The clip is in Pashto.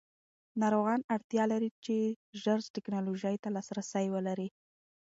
ناروغان اړتیا لري چې ژر ټېکنالوژۍ ته لاسرسی ولري.